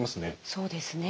そうですね。